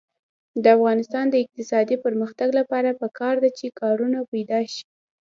د افغانستان د اقتصادي پرمختګ لپاره پکار ده چې کارونه پیدا شي.